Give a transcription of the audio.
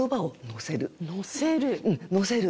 のせる？